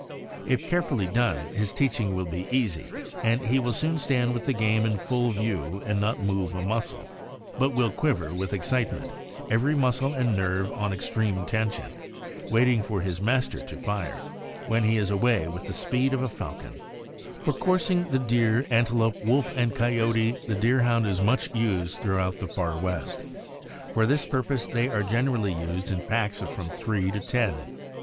If carefully done, his teaching will be easy, and he will soon stand with the game in full view and not move a muscle; but will quiver with excitement, every muscle and nerve on extreme tension— waiting for his master to fire, when he is away with the speed of the falcon. THE SCOTCH DEERHOUND. 181 For coursing the deer, antelope, wolf, and coyote, the Deerhound is much used throughout the Far West. For this purpose they are generally used in packs of from three to ten.